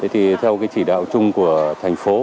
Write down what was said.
thì theo cái chỉ đạo chung của thành phố